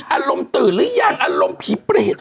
อารมณ์ตื่นหรือยังอารมณ์ผีเปรต